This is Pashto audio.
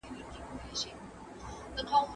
غفلت خوب دی.